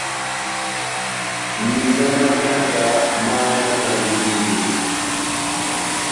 Mihiba má danga máhanakandi bwíto.